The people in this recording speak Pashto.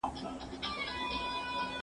هغه د خپلو ميرمنو تر منځ قرعه کشي کوله.